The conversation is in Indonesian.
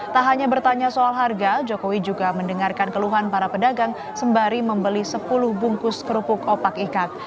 tak hanya bertanya soal harga jokowi juga mendengarkan keluhan para pedagang sembari membeli sepuluh bungkus kerupuk opak ikak